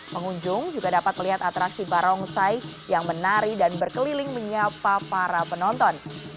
pengunjung juga dapat melihat atraksi barongsai yang menari dan berkeliling menyapa para penonton